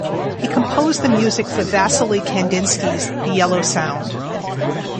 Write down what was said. He composed the music for Wassily Kandinsky's "The Yellow Sound".